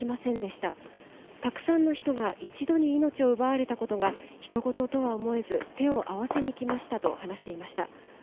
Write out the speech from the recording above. たくさんの人が一度に命を奪われたことがひと事とは思えず手を合わせに来ましたと話していました。